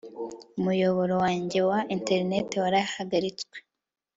umuyoboro wanjye wa interineti warahagaritswe